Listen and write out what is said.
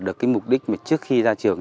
được cái mục đích mà trước khi ra trường